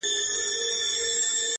خوني خنجر نه دى چي څوك يې پـټ كــړي.